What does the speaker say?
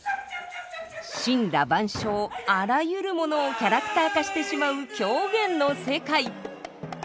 森羅万象あらゆるものをキャラクター化してしまう狂言の世界。